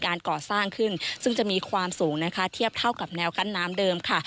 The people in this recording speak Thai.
ก่อสร้างขึ้นซึ่งจะมีความสูงนะคะเทียบเท่ากับแนวกั้นน้ำเดิมค่ะ